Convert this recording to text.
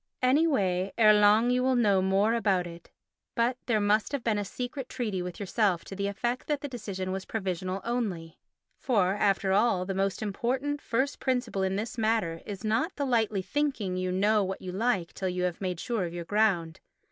Any way ere long you will know more about it. But there must have been a secret treaty with yourself to the effect that the decision was provisional only. For, after all, the most important first principle in this matter is the not lightly thinking you know what you like till you have made sure of your ground.